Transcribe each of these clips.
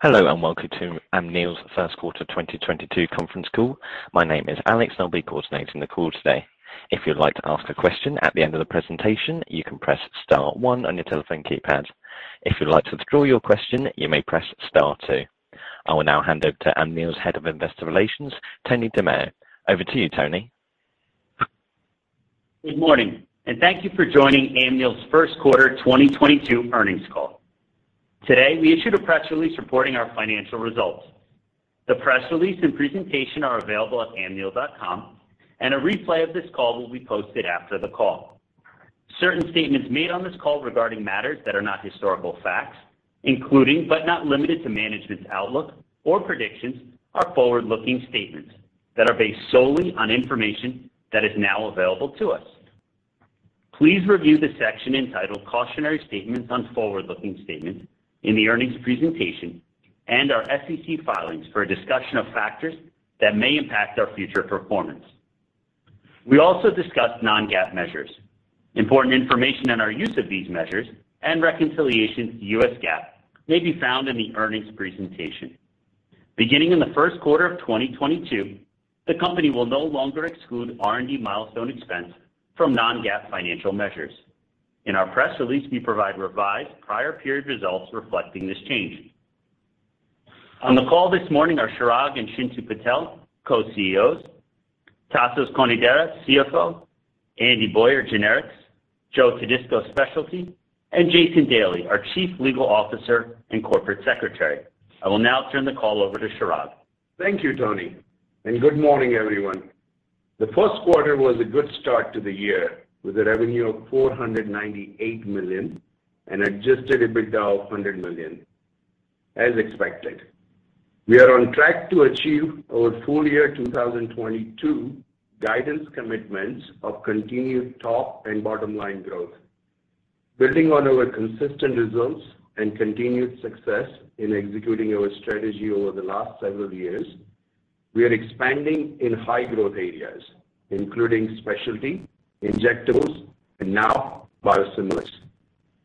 Hello, and welcome to Amneal's first quarter 2022 conference call. My name is Alex, and I'll be coordinating the call today. If you'd like to ask a question at the end of the presentation, you can press star one on your telephone keypad. If you'd like to withdraw your question, you may press star two. I will now hand over to Amneal's Head of Investor Relations, Tony DiMeo. Over to you, Tony. Good morning, and thank you for joining Amneal's first quarter 2022 earnings call. Today, we issued a press release reporting our financial results. The press release and presentation are available at amneal.com, and a replay of this call will be posted after the call. Certain statements made on this call regarding matters that are not historical facts, including but not limited to management's outlook or predictions, are forward-looking statements that are based solely on information that is now available to us. Please review the section entitled Cautionary Statements on Forward-Looking Statements in the earnings presentation and our SEC filings for a discussion of factors that may impact our future performance. We also discuss non-GAAP measures. Important information on our use of these measures and reconciliations to U.S. GAAP may be found in the earnings presentation. Beginning in the first quarter of 2022, the company will no longer exclude R&D milestone expense from non-GAAP financial measures. In our press release, we provide revised prior period results reflecting this change. On the call this morning are Chirag and Chintu Patel, Co-CEOs, Tasos Konidaris, CFO, Andy Boyer, Generics, Joe Todisco, Specialty, and Jason Daly, our Chief Legal Officer and Corporate Secretary. I will now turn the call over to Chirag. Thank you, Tony, and good morning, everyone. The first quarter was a good start to the year, with revenue of $498 million and adjusted EBITDA of $100 million as expected. We are on track to achieve our full year 2022 guidance commitments of continued top and bottom line growth. Building on our consistent results and continued success in executing our strategy over the last several years, we are expanding in high growth areas, including specialty, injectables, and now biosimilars.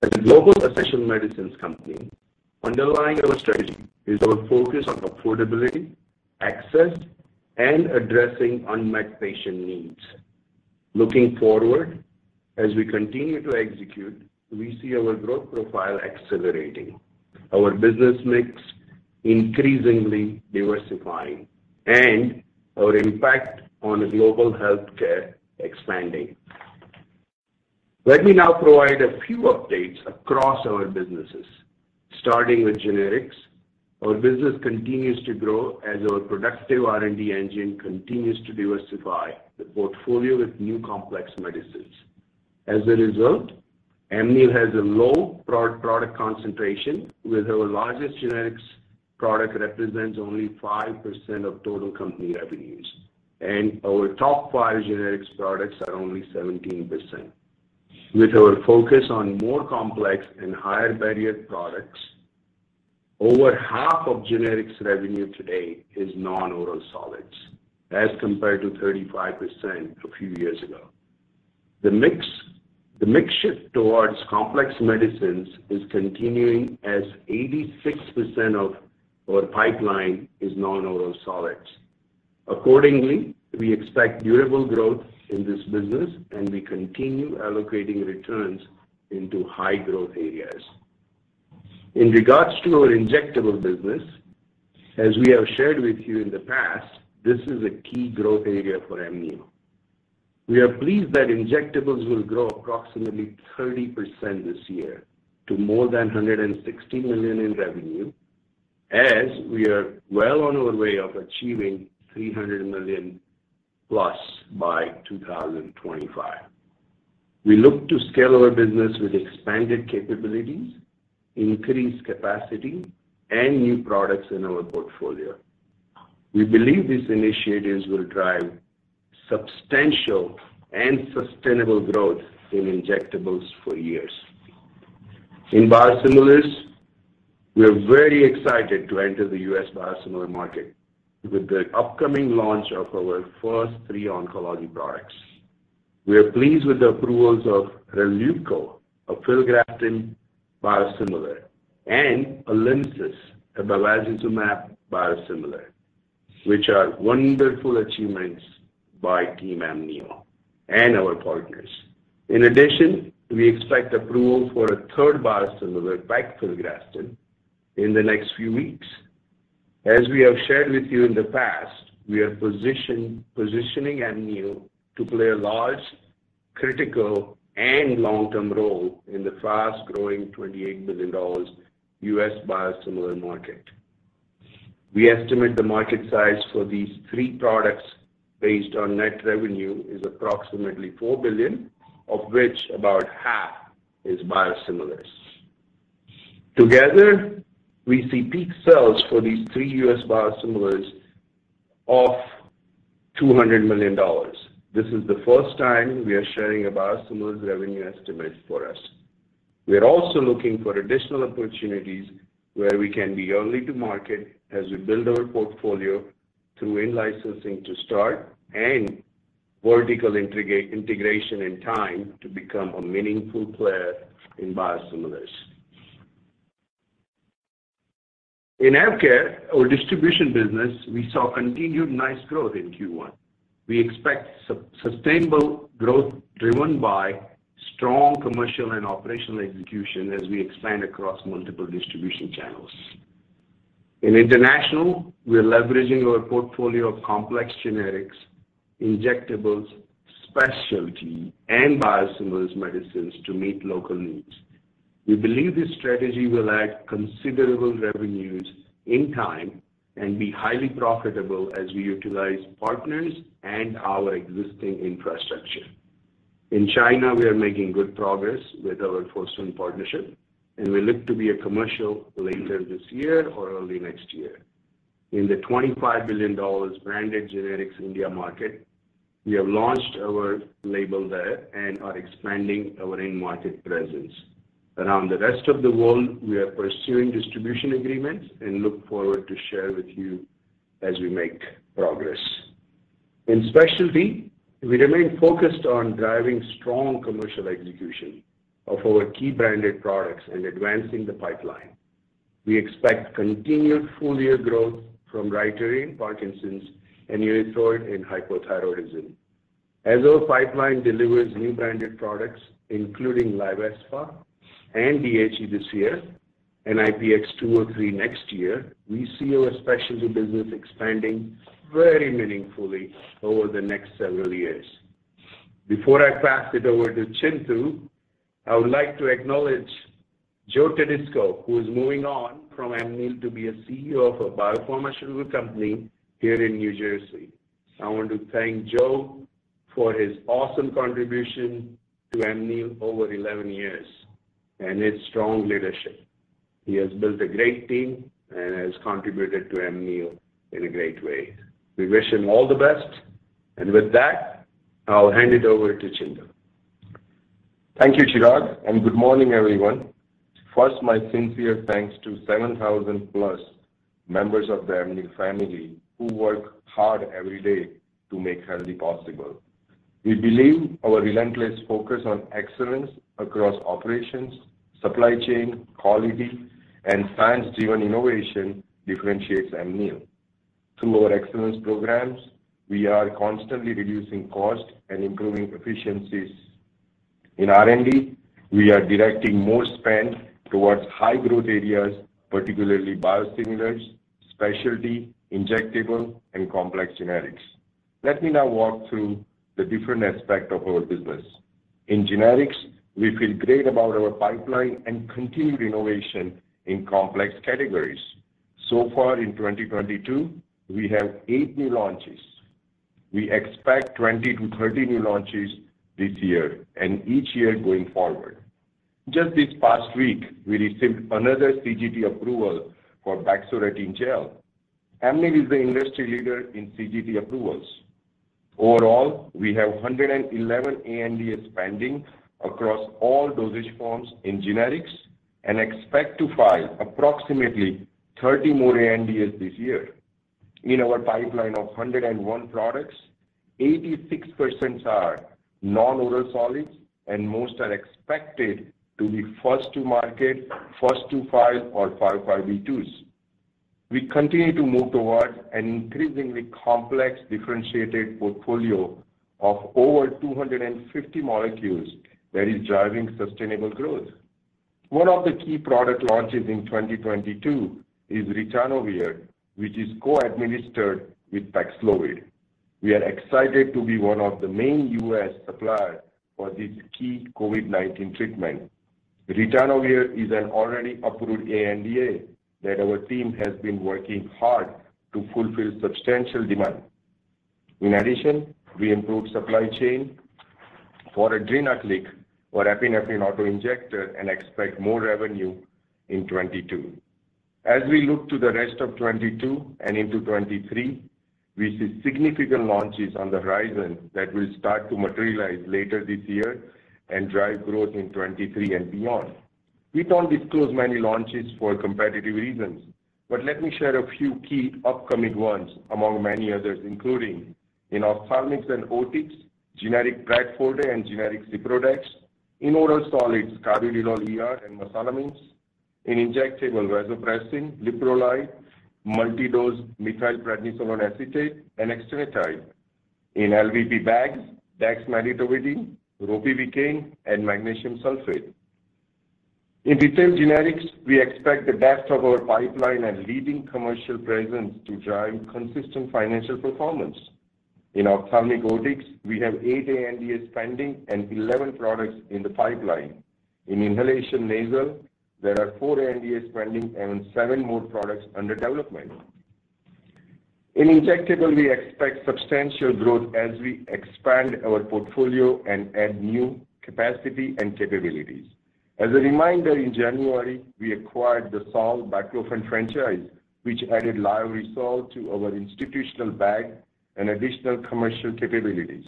As a global essential medicines company, underlying our strategy is our focus on affordability, access, and addressing unmet patient needs. Looking forward, as we continue to execute, we see our growth profile accelerating, our business mix increasingly diversifying, and our impact on global healthcare expanding. Let me now provide a few updates across our businesses. Starting with generics, our business continues to grow as our productive R&D engine continues to diversify the portfolio with new complex medicines. As a result, Amneal has a low product concentration, with our largest generics product represents only 5% of total company revenues, and our top five generics products are only 17%. With our focus on more complex and higher barrier products, over half of generics revenue today is non-oral solids as compared to 35% a few years ago. The mix shift towards complex medicines is continuing as 86% of our pipeline is non-oral solids. Accordingly, we expect durable growth in this business, and we continue allocating returns into high growth areas. In regards to our injectable business, as we have shared with you in the past, this is a key growth area for Amneal. We are pleased that injectables will grow approximately 30% this year to more than $160 million in revenue as we are well on our way of achieving $300 million-plus by 2025. We look to scale our business with expanded capabilities, increased capacity, and new products in our portfolio. We believe these initiatives will drive substantial and sustainable growth in injectables for years. In biosimilars, we are very excited to enter the U.S. biosimilar market with the upcoming launch of our first three oncology products. We are pleased with the approvals of Releuko, a filgrastim biosimilar, and ALYMSYS, a bevacizumab biosimilar, which are wonderful achievements by team Amneal and our partners. In addition, we expect approval for a third biosimilar, pegfilgrastim, in the next few weeks. As we have shared with you in the past, we are positioning Amneal to play a large, critical, and long-term role in the fast-growing $28 billion U.S. biosimilar market. We estimate the market size for these three products based on net revenue is approximately $4 billion, of which about half is biosimilars. Together, we see peak sales for these three U.S. Biosimilars of $200 million. This is the first time we are sharing a biosimilars revenue estimate for us. We are also looking for additional opportunities where we can be early to market as we build our portfolio through in-licensing to start and vertical integration and time to become a meaningful player in biosimilars. In AvKARE, our distribution business, we saw continued nice growth in Q1. We expect sustainable growth driven by strong commercial and operational execution as we expand across multiple distribution channels. In international, we are leveraging our portfolio of complex generics, injectables, specialty, and biosimilars medicines to meet local needs. We believe this strategy will add considerable revenues in time and be highly profitable as we utilize partners and our existing infrastructure. In China, we are making good progress with our Fosun partnership, and we look to go commercial later this year or early next year. In the $25 billion branded generics India market, we have launched our label there and are expanding our in-market presence. Around the rest of the world, we are pursuing distribution agreements and look forward to sharing with you as we make progress. In specialty, we remain focused on driving strong commercial execution of our key branded products and advancing the pipeline. We expect continued full-year growth from Rytary in Parkinson's and UNITHROID in hypothyroidism. As our pipeline delivers new branded products, including LYVISPAH and DHE this year, and IPX203 next year, we see our specialty business expanding very meaningfully over the next several years. Before I pass it over to Chintu, I would like to acknowledge Joe Todisco, who is moving on from Amneal to be a CEO of a biopharmaceutical company here in New Jersey. I want to thank Joe for his awesome contribution to Amneal over eleven years and his strong leadership. He has built a great team and has contributed to Amneal in a great way. We wish him all the best. With that, I'll hand it over to Chintu. Thank you, Chirag, and good morning, everyone. First, my sincere thanks to 7,000+ members of the Amneal family who work hard every day to make healthy possible. We believe our relentless focus on excellence across operations, supply chain, quality, and science-driven innovation differentiates Amneal. Through our excellence programs, we are constantly reducing cost and improving efficiencies. In R&D, we are directing more spend towards high growth areas, particularly biosimilars, specialty, injectable, and complex generics. Let me now walk through the different aspects of our business. In generics, we feel great about our pipeline and continued innovation in complex categories. So far in 2022, we have 8 new launches. We expect 20-30 new launches this year and each year going forward. Just this past week, we received another CGT approval for baclofen gel. Amneal is the industry leader in CGT approvals. Overall, we have 111 ANDAs pending across all dosage forms in generics and expect to file approximately 30 more ANDAs this year. In our pipeline of 101 products, 86% are non-oral solids, and most are expected to be first to market, first to file, or 505(b)(2)s. We continue to move towards an increasingly complex differentiated portfolio of over 250 molecules that is driving sustainable growth. One of the key product launches in 2022 is Ritonavir, which is co-administered with Paxlovid. We are excited to be one of the main U.S. supplier for this key COVID-19 treatment. Ritonavir is an already approved ANDA that our team has been working hard to fulfill substantial demand. In addition, we improved supply chain for Adrenaclick our epinephrine auto-injector and expect more revenue in 2022. As we look to the rest of 2022 and into 2023, we see significant launches on the horizon that will start to materialize later this year and drive growth in 2023 and beyond. We don't disclose many launches for competitive reasons. Let me share a few key upcoming ones among many others, including in ophthalmics and otics, generic Bracford and generic Ciprodex. In oral solids, carvedilol ER and mesalamine. In injectable vasopressin, insulin lispro, multi-dose methylprednisolone acetate and exenatide. In LVP bags, dexmedetomidine, ropivacaine, and magnesium sulfate. In detailed generics, we expect the depth of our pipeline and leading commercial presence to drive consistent financial performance. In ophthalmic otics, we have 8 ANDAs pending and 11 products in the pipeline. In inhalation nasal, there are 4 ANDAs pending and 7 more products under development. In injectables, we expect substantial growth as we expand our portfolio and add new capacity and capabilities. As a reminder, in January, we acquired the Saol Baclofen franchise, which added LVPs to our institutional bag and additional commercial capabilities.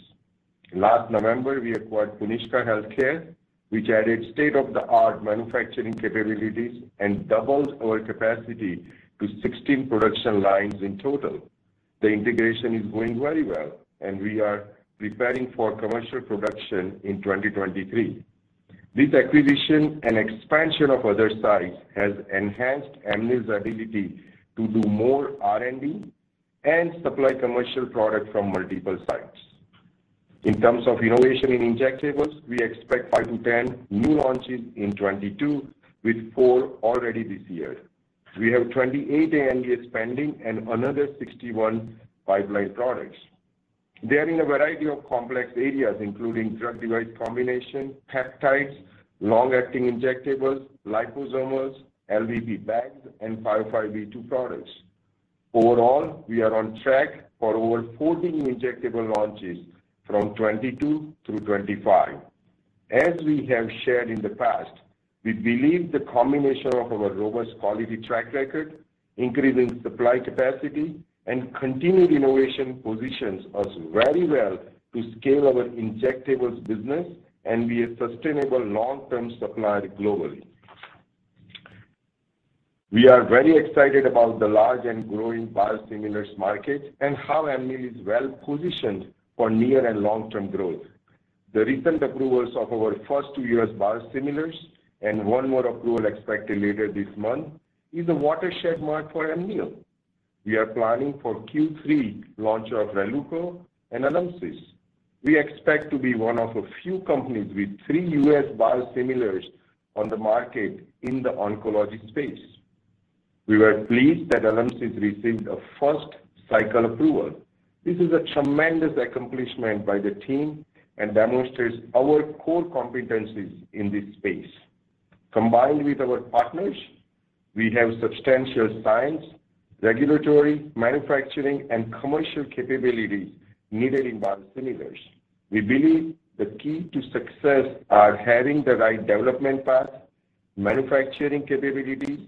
Last November, we acquired Puniska Healthcare, which added state-of-the-art manufacturing capabilities and doubles our capacity to 16 production lines in total. The integration is going very well, and we are preparing for commercial production in 2023. This acquisition and expansion of other sites has enhanced Amneal's ability to do more R&D and supply commercial product from multiple sites. In terms of innovation in injectables, we expect 5-10 new launches in 2022, with 4 already this year. We have 28 ANDAs pending and another 61 pipeline products. They are in a variety of complex areas, including drug device combination, peptides, long-acting injectables, liposomes, LVP bags, and 505(b)(2) products. Overall, we are on track for over 14 injectable launches from 2022 through 2025. As we have shared in the past, we believe the combination of our robust quality track record, increasing supply capacity, and continued innovation positions us very well to scale our injectables business and be a sustainable long-term supplier globally. We are very excited about the large and growing biosimilars market and how Amneal is well-positioned for near and long-term growth. The recent approvals of our first two U.S. biosimilars and one more approval expected later this month is a watershed mark for Amneal. We are planning for Q3 launch of Releuko and Alymsys. We expect to be one of a few companies with three U.S. biosimilars on the market in the oncology space. We were pleased that ALYMSYS received a first cycle approval. This is a tremendous accomplishment by the team and demonstrates our core competencies in this space. Combined with our partners, we have substantial science, regulatory, manufacturing, and commercial capabilities needed in biosimilars. We believe the key to success are having the right development path, manufacturing capabilities,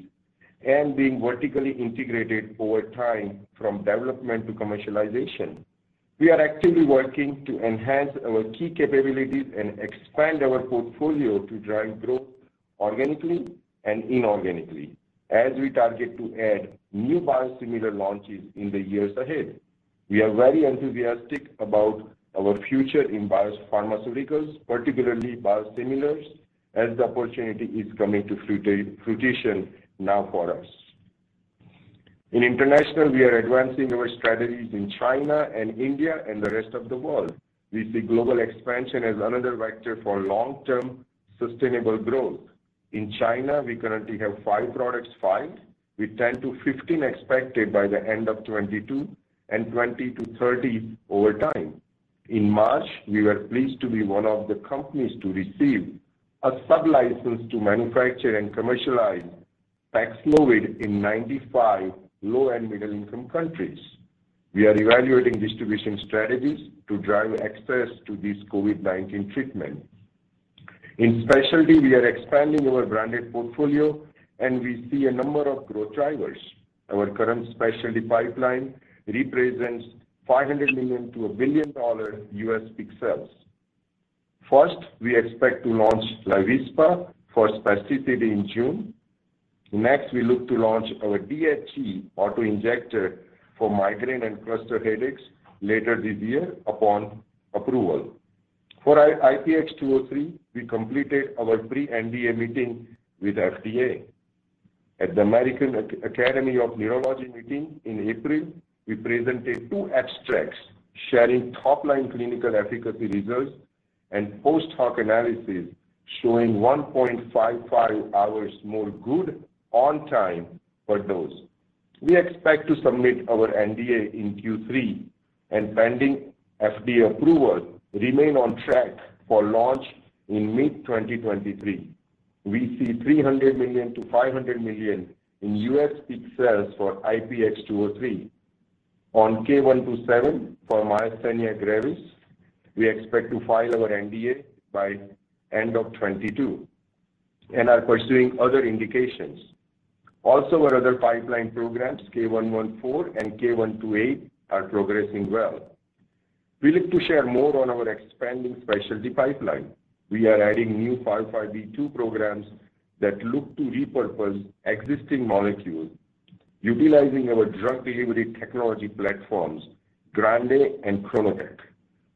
and being vertically integrated over time from development to commercialization. We are actively working to enhance our key capabilities and expand our portfolio to drive growth organically and inorganically as we target to add new biosimilar launches in the years ahead. We are very enthusiastic about our future in biopharmaceuticals, particularly biosimilars, as the opportunity is coming to fruition now for us. In international, we are advancing our strategies in China and India and the rest of the world. We see global expansion as another vector for long-term sustainable growth. In China, we currently have 5 products filed, with 10-15 expected by the end of 2022 and 20-30 over time. In March, we were pleased to be one of the companies to receive a sub-license to manufacture and commercialize Paxlovid in 95 low and middle-income countries. We are evaluating distribution strategies to drive access to this COVID-19 treatment. In specialty, we are expanding our branded portfolio, and we see a number of growth drivers. Our current specialty pipeline represents $500 million-$1 billion U.S. peak sales. First, we expect to launch LYVISPAH for spasticity in June. Next, we look to launch our DHE auto-injector for migraine and cluster headaches later this year upon approval. For our IPX203, we completed our pre-NDA meeting with FDA. At the American Academy of Neurology meeting in April, we presented two abstracts sharing top-line clinical efficacy results and post-hoc analysis showing 1.55 hours more good on time for those. We expect to submit our NDA in Q3, and pending FDA approval, remain on track for launch in mid-2023. We see $300 million-$500 million in U.S. peak sales for IPX203. On K127 for myasthenia gravis, we expect to file our NDA by end of 2022 and are pursuing other indications. Also, our other pipeline programs, K114 and K128, are progressing well. We look to share more on our expanding specialty pipeline. We are adding new 505(b)(2) programs that look to repurpose existing molecules utilizing our drug delivery technology platforms, GRANDE and Kronotec.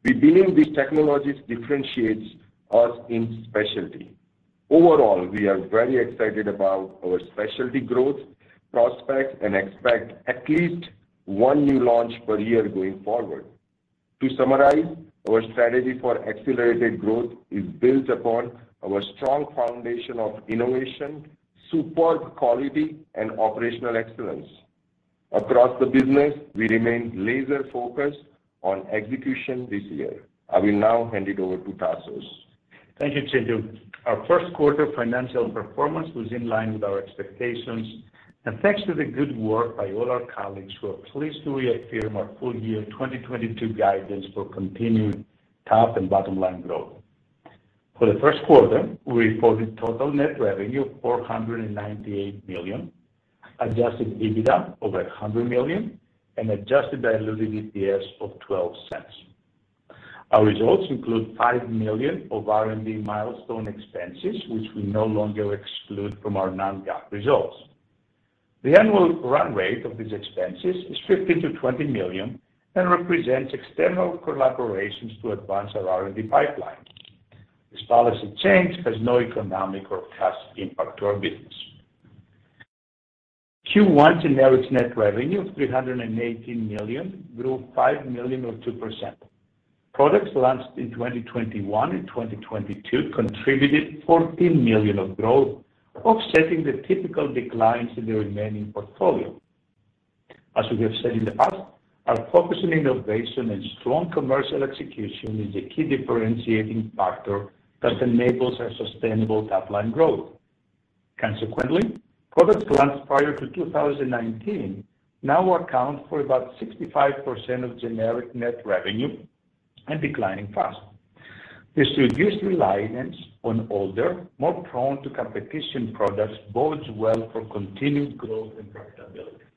We believe these technologies differentiates us in specialty. Overall, we are very excited about our specialty growth prospects and expect at least one new launch per year going forward. To summarize, our strategy for accelerated growth is built upon our strong foundation of innovation, superb quality, and operational excellence. Across the business, we remain laser-focused on execution this year. I will now hand it over to Tasos. Thank you, Chintu. Our first quarter financial performance was in line with our expectations, and thanks to the good work by all our colleagues, we are pleased to reaffirm our full year 2022 guidance for continued top and bottom line growth. For the first quarter, we reported total net revenue of $498 million Adjusted EBITDA over $100 million and adjusted diluted EPS of $0.12. Our results include $5 million of R&D milestone expenses, which we no longer exclude from our non-GAAP results. The annual run rate of these expenses is $15 million-$20 million and represents external collaborations to advance our R&D pipeline. This policy change has no economic or cash impact to our business. Q1 generics net revenue of $318 million grew $5 million or 2%. Products launched in 2021 and 2022 contributed $14 million of growth, offsetting the typical declines in the remaining portfolio. As we have said in the past, our focus on innovation and strong commercial execution is a key differentiating factor that enables our sustainable top line growth. Consequently, products launched prior to 2019 now account for about 65% of generic net revenue and declining fast. This reduced reliance on older, more prone to competition products bodes well for continued growth and profitability.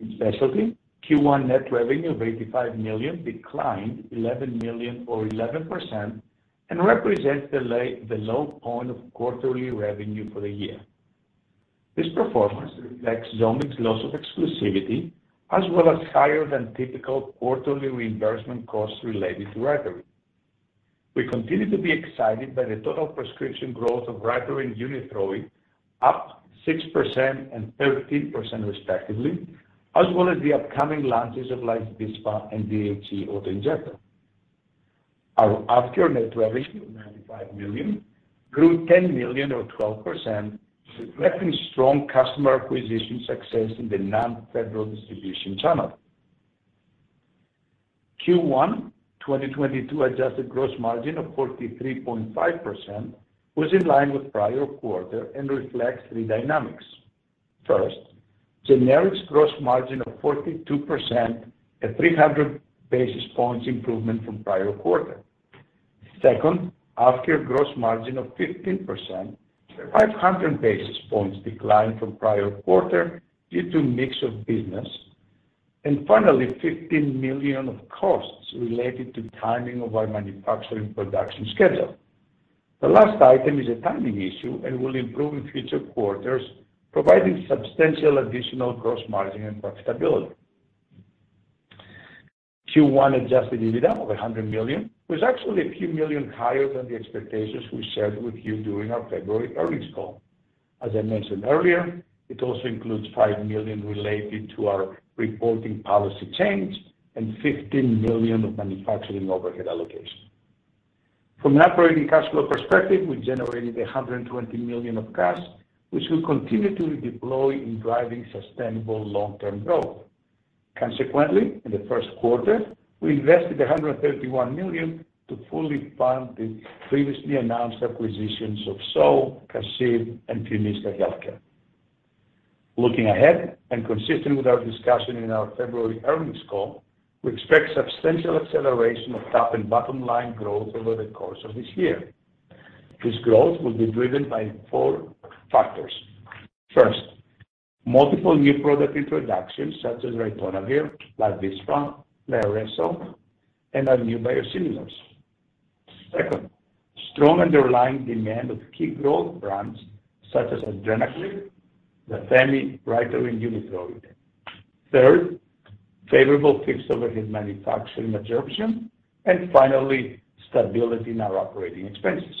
In specialty, Q1 net revenue of $85 million declined $11 million or 11% and represents the low point of quarterly revenue for the year. This performance reflects Zomig's loss of exclusivity as well as higher than typical quarterly reimbursement costs related to Rytary. We continue to be excited by the total prescription growth of Rytary and UNITHROID, up 6% and 13% respectively, as well as the upcoming launches of LYVISPAH and DHE auto-injector. Our AvKARE net revenue of $95 million grew $10 million or 12%, reflecting strong customer acquisition success in the non-federal distribution channel. Q1 2022 adjusted gross margin of 43.5% was in line with prior quarter and reflects three dynamics. First, generics gross margin of 42%, a 300 basis points improvement from prior quarter. Second, AvKARE gross margin of 15%, 500 basis points decline from prior quarter due to mix of business. Finally, $15 million of costs related to timing of our manufacturing production schedule. The last item is a timing issue and will improve in future quarters, providing substantial additional gross margin and profitability. Q1 adjusted EBITDA of $100 million was actually a few million higher than the expectations we shared with you during our February earnings call. As I mentioned earlier, it also includes $5 million related to our reporting policy change and $15 million of manufacturing overhead allocation. From an operating cash flow perspective, we generated $120 million of cash, which we'll continue to deploy in driving sustainable long-term growth. Consequently, in the first quarter, we invested $131 million to fully fund the previously announced acquisitions of Saol, Kashiv, and Puniska Healthcare. Looking ahead and consistent with our discussion in our February earnings call, we expect substantial acceleration of top and bottom line growth over the course of this year. This growth will be driven by four factors. First, multiple new product introductions such as Ritonavir, LYVISPAH, Lioresal, and our new biosimilars. Second, strong underlying demand of key growth brands such as Adrenaclick, ONGENTYS, Rytary, and UNITHROID. Third, favorable fixed overhead manufacturing absorption. Finally, stability in our operating expenses.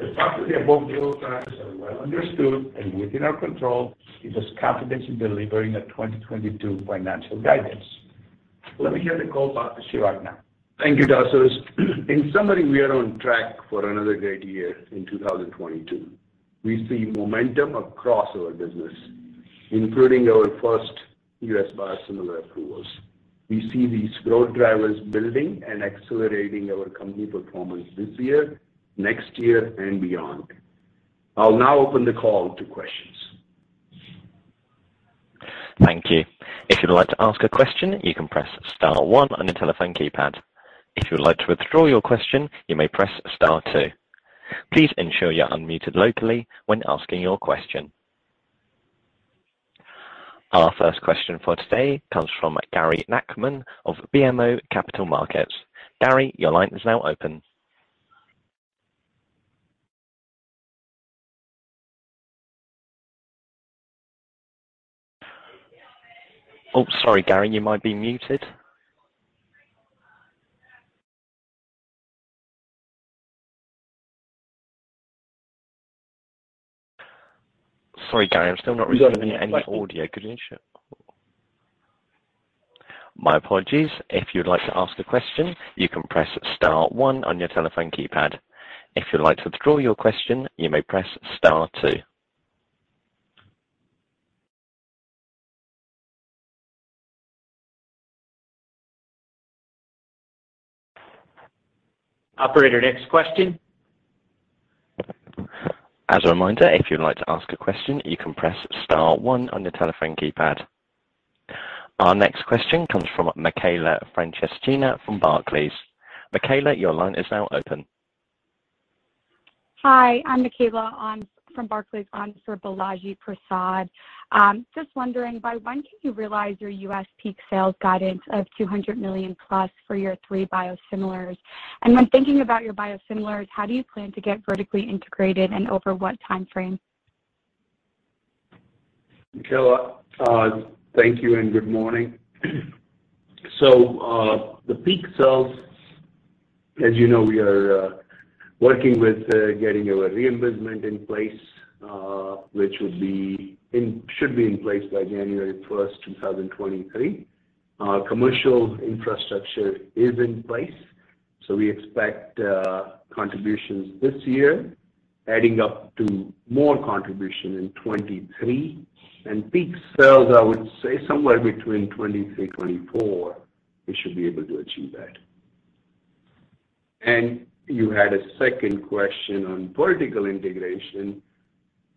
The fact that the above growth drivers are well understood and within our control gives us confidence in delivering the 2022 financial guidance. Let me hand the call back to Chirag now. Thank you, Tasos. In summary, we are on track for another great year in 2022. We see momentum across our business, including our first U.S. biosimilar approvals. We see these growth drivers building and accelerating our company performance this year, next year and beyond. I'll now open the call to questions. Thank you. If you'd like to ask a question, you can press star one on your telephone keypad. If you'd like to withdraw your question, you may press star two. Please ensure you're unmuted locally when asking your question. Our first question for today comes from Gary Nachman of BMO Capital Markets. Gary, your line is now open. Oh, sorry, Gary, you might be muted. Sorry, Gary, I'm still not receiving any audio. My apologies. If you'd like to ask a question, you can press star one on your telephone keypad. If you'd like to withdraw your question, you may press star two. Operator, next question. As a reminder, if you'd like to ask a question, you can press star one on your telephone keypad. Our next question comes from Mikaela Franceschina from Barclays. Mikaela, your line is now open. Hi, I'm Mikaela. I'm from Barclays on for Balaji Prasad. Just wondering, by when can you realize your U.S. peak sales guidance of $200 million+ for your three biosimilars? When thinking about your biosimilars, how do you plan to get vertically integrated and over what time frame? Mikaela, thank you and good morning. The peak sales, as you know, we are working with getting our reimbursement in place, which should be in place by January 1, 2023. Our commercial infrastructure is in place, so we expect contributions this year, adding up to more contribution in 2023. Peak sales, I would say somewhere between 2023-2024, we should be able to achieve that. You had a second question on vertical integration.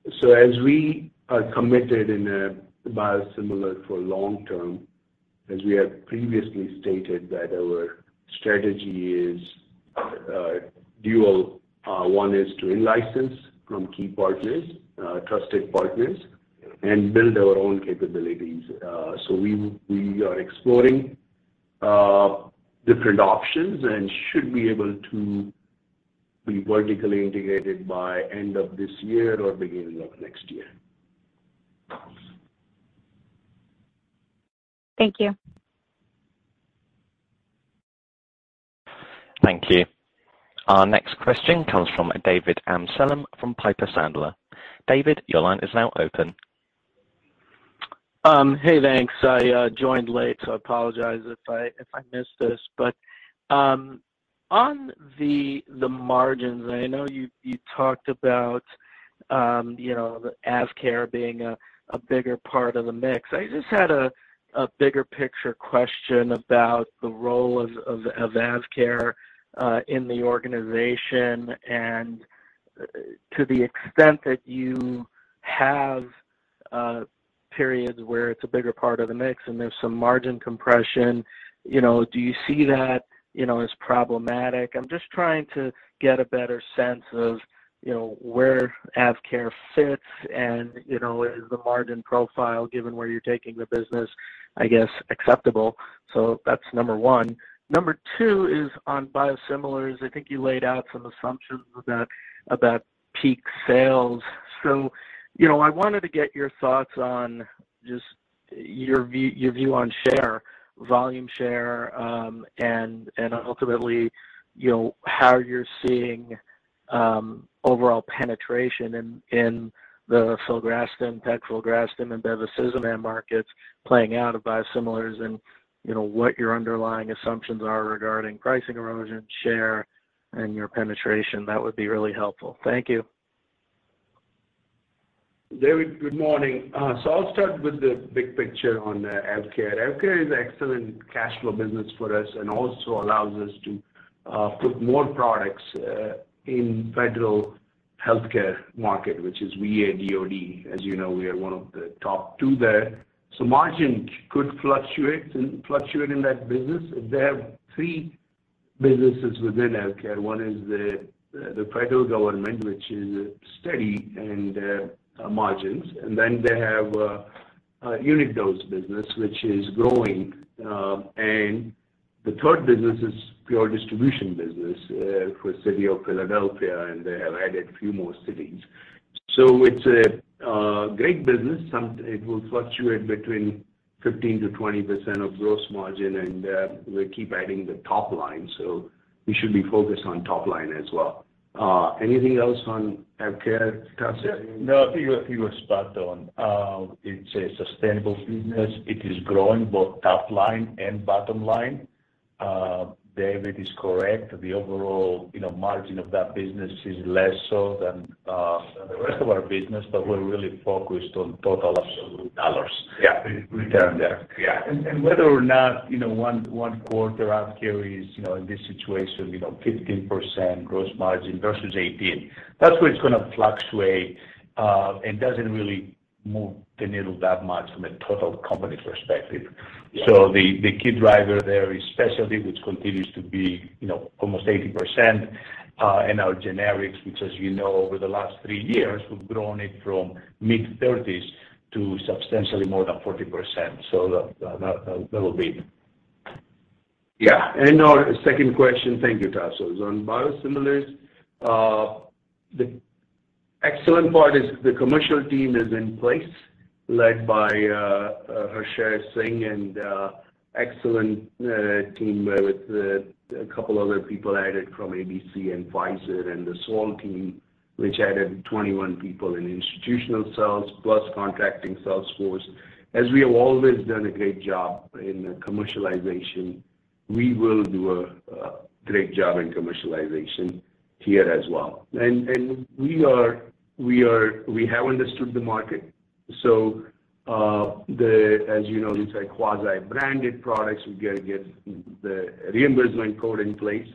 As we are committed in biosimilar for long term, as we have previously stated that our strategy is dual. One is to in-license from key partners, trusted partners, and build our own capabilities. We are exploring different options and should be able to be vertically integrated by end of this year or beginning of next year. Thank you. Thank you. Our next question comes from David Amsellem from Piper Sandler. David, your line is now open. Hey, thanks. I joined late, so I apologize if I missed this. On the margins, I know you talked about you know, the AvKARE being a bigger part of the mix. I just had a bigger picture question about the role of AvKARE in the organization and to the extent that you have periods where it's a bigger part of the mix and there's some margin compression, you know, do you see that you know, as problematic? I'm just trying to get a better sense of you know, where AvKARE fits and you know, is the margin profile, given where you're taking the business, I guess, acceptable. That's number one. Number two is on biosimilars. I think you laid out some assumptions about peak sales. You know, I wanted to get your thoughts on just your view on share, volume share, and ultimately, you know, how you're seeing overall penetration in the filgrastim, pegfilgrastim, and bevacizumab markets playing out for biosimilars. You know, what your underlying assumptions are regarding pricing erosion, share, and your penetration. That would be really helpful. Thank you. David, good morning. I'll start with the big picture on AvKARE. AvKARE is excellent cash flow business for us and also allows us to put more products in federal healthcare market, which is VA, DoD. As you know, we are one of the top two there. Margin could fluctuate in that business. There are three businesses within AvKARE. One is the federal government, which is steady and margins. Then they have a unit dose business, which is growing. The third business is pure distribution business for City of Philadelphia, and they have added few more cities. It's a great business. It will fluctuate between 15%-20% of gross margin, and we'll keep adding the top line. We should be focused on top line as well. Anything else on AvKARE, Tasos? Yeah. No, I think you have spot on. It's a sustainable business. It is growing both top line and bottom line. David is correct. The overall, you know, margin of that business is less so than the rest of our business, but we're really focused on total absolute dollars. Yeah. Return there. Yeah. Whether or not, you know, one quarter AvKARE is, you know, in this situation, you know, 15% gross margin versus 18%, that's where it's gonna fluctuate, and doesn't really move the needle that much from a total company perspective. Yeah. The key driver there is specialty, which continues to be, you know, almost 80% in our generics, which as you know, over the last three years, we've grown it from mid-thirties to substantially more than 40%. That will be. Yeah. Our second question. Thank you, Tasos. On biosimilars, the excellent part is the commercial team is in place, led by Harsher Singh and excellent team with a couple other people added from AmerisourceBergen and Pfizer and the Saol team, which added 21 people in institutional sales plus contracting sales force. As we have always done a great job in commercialization, we will do a great job in commercialization here as well. We have understood the market. As you know, these are quasi-branded products. We gotta get the reimbursement code in place.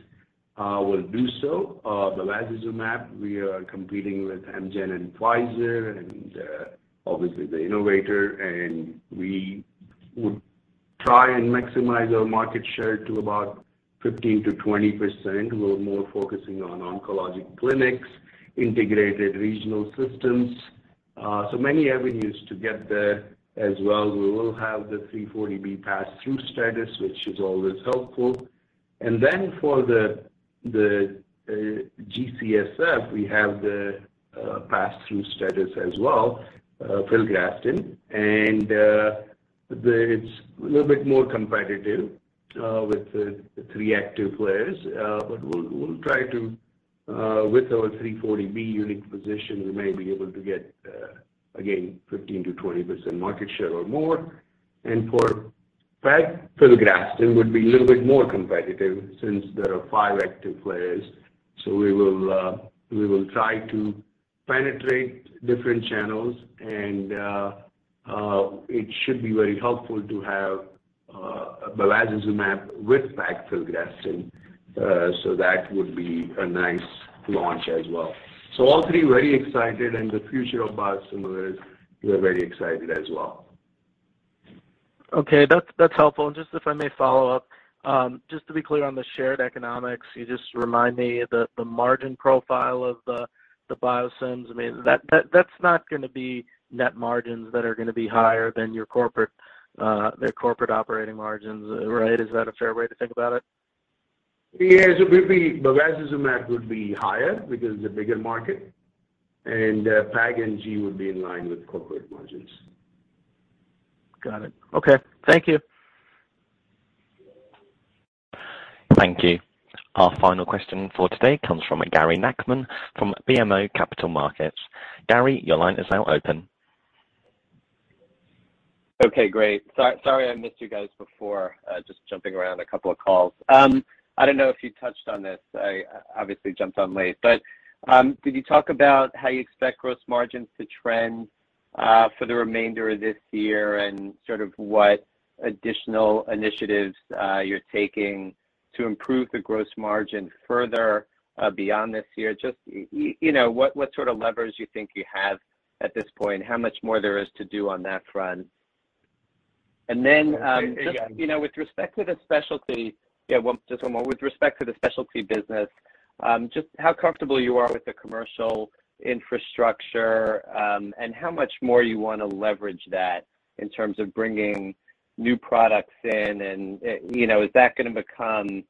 We'll do so. The bevacizumab, we are competing with Amgen and Pfizer and obviously the innovator, and we would try and maximize our market share to about 15%-20%. We're more focusing on oncologic clinics, integrated regional systems. Many avenues to get there as well. We will have the 340B pass-through status, which is always helpful. For the G-CSF, we have the pass-through status as well, filgrastim. It's a little bit more competitive with the three active players. We'll try to with our 340B unique position, we may be able to get again, 15%-20% market share or more. For pegfilgrastim would be a little bit more competitive since there are five active players. We will try to penetrate different channels and it should be very helpful to have bevacizumab with pegfilgrastim. That would be a nice launch as well. All three, very excited, and the future of biosimilars, we're very excited as well. Okay. That's helpful. Just if I may follow up, just to be clear on the shared economics, can you just remind me the margin profile of the biosimilars. I mean, that's not gonna be net margins that are gonna be higher than your corporate operating margins, right? Is that a fair way to think about it? Yes. It would be bevacizumab would be higher because it's a bigger market, and PAG and G would be in line with corporate margins. Got it. Okay. Thank you. Thank you. Our final question for today comes from Gary Nachman from BMO Capital Markets. Gary, your line is now open. Okay, great. Sorry I missed you guys before, just jumping around a couple of calls. I don't know if you touched on this. I obviously jumped on late. Could you talk about how you expect gross margins to trend for the remainder of this year and sort of what additional initiatives you're taking to improve the gross margin further beyond this year? Just, you know, what sort of levers you think you have at this point? How much more there is to do on that front? Yeah, yeah. Just, you know, with respect to the specialty. Yeah, just one more. With respect to the specialty business, just how comfortable you are with the commercial infrastructure, and how much more you wanna leverage that in terms of bringing new products in and, you know, is that gonna become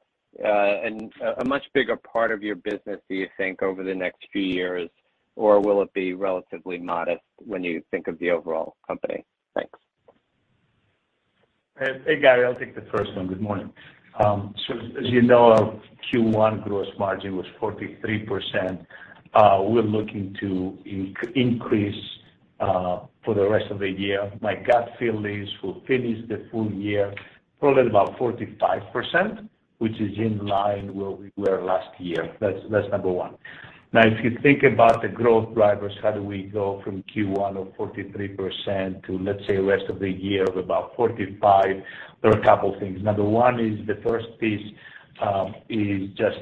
a much bigger part of your business, do you think, over the next few years, or will it be relatively modest when you think of the overall company? Thanks. Hey, Gary. I'll take the first one. Good morning. As you know, our Q1 gross margin was 43%. We're looking to increase for the rest of the year. My gut feel is we'll finish the full year probably about 45%, which is in line where we were last year. That's number one. Now, if you think about the growth drivers, how do we go from Q1 of 43% to, let's say, rest of the year of about 45%? There are a couple things. Number one is the first piece is just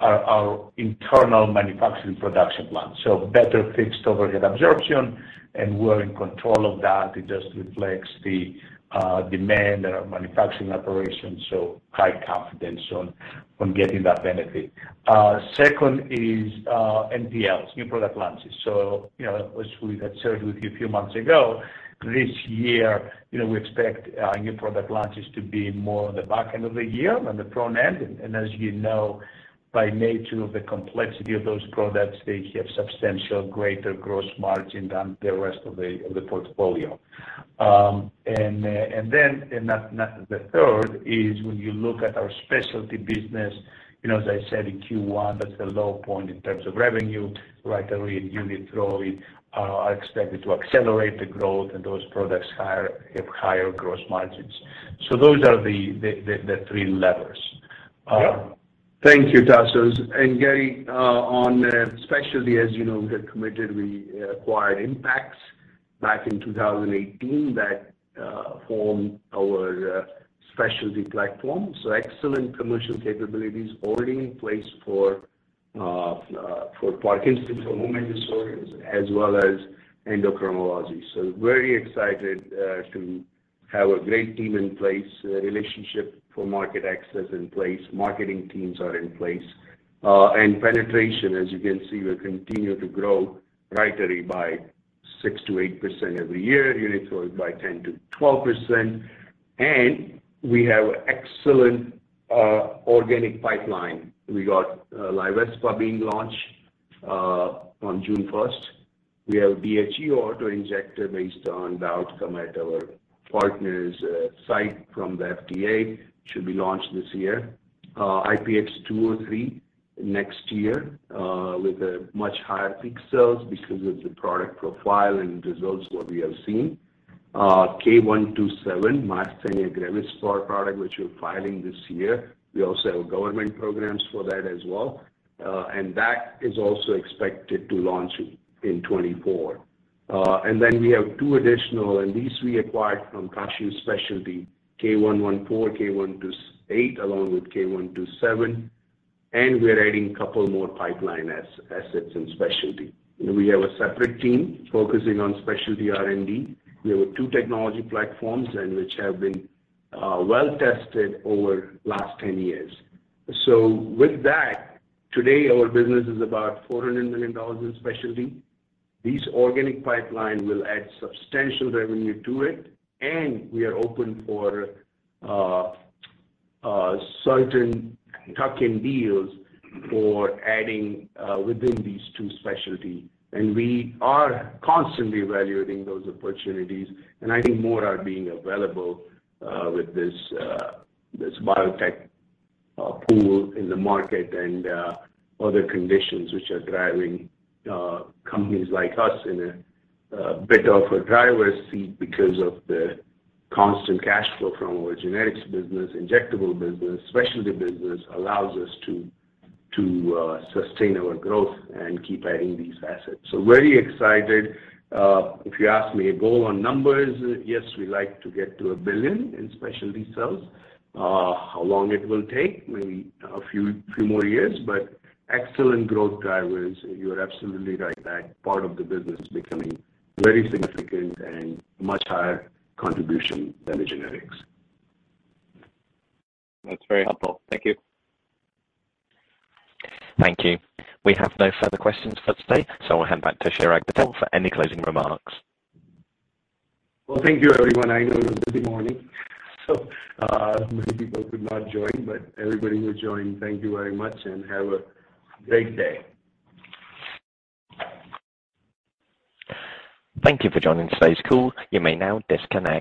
our internal manufacturing production plan. So better fixed overhead absorption, and we're in control of that. It just reflects the demand and our manufacturing operations, so high confidence on getting that benefit. Second is NPLs, new product launches. You know, as we had shared with you a few months ago, this year, you know, we expect new product launches to be more on the back end of the year than the front end. As you know, by nature of the complexity of those products, they have substantial greater gross margin than the rest of the portfolio. And then, that's the third is when you look at our specialty business, you know, as I said, in Q1, that's the low point in terms of revenue. Rytary and Unithroid are expected to accelerate the growth in those products higher, have higher gross margins. Those are the three levers. Thank you, Tasos. Gary, on specialty, as you know, we had committed, we acquired Impax back in 2018. That formed our specialty platform. Excellent commercial capabilities already in place for Parkinson's and hormone disorders as well as endocrinology. Very excited to have a great team in place, relationship for market access in place, marketing teams are in place. Penetration, as you can see, will continue to grow Rytary by 6%-8% every year, UNITHROID by 10%-12%. We have excellent organic pipeline. We got LYVISPAH being launched on June 1. We have DHE auto-injector based on the outcome at our partner's site from the FDA. Should be launched this year. IPX203 next year with a much higher peak sales because of the product profile and results what we have seen. K127, myasthenia gravis product, which we're filing this year. We also have government programs for that as well. That is also expected to launch in 2024. Then we have two additional, and these we acquired from Kashiv Specialty, K114, K128, along with K127, and we're adding a couple more pipeline assets in specialty. We have a separate team focusing on specialty R&D. We have two technology platforms which have been well tested over last 10 years. With that, today our business is about $400 million in specialty. These organic pipeline will add substantial revenue to it, and we are open to certain tuck-in deals for adding within these two specialty. We are constantly evaluating those opportunities, and I think more are being available with this biotech pool in the market and other conditions which are driving companies like us in a bit of a driver's seat because of the constant cash flow from our generics business, injectable business. Specialty business allows us to sustain our growth and keep adding these assets. Very excited. If you ask me a goal on numbers, yes, we like to get to $1 billion in specialty sales. How long it will take? Maybe a few more years, but excellent growth drivers. You're absolutely right that part of the business is becoming very significant and much higher contribution than the generics. That's very helpful. Thank you. Thank you. We have no further questions for today, so I'll hand back to Chirag Patel for any closing remarks. Well, thank you everyone. I know it's a busy morning, so, many people could not join, but everybody who joined, thank you very much and have a great day. Thank you for joining today's call. You may now disconnect.